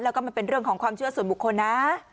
แล้วก็มันเป็นเรื่องของความเชื่อส่วนบุคคลนะ